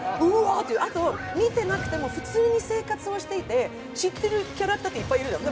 あと、見てなくても普通に生活をしていて知ってるキャラクターっていっぱいいるじゃない。